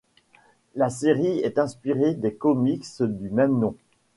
La série est inspirée des comics du même nom.